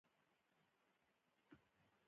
بلکې په دې حالت کې د کارګر مزد هم راټیټېږي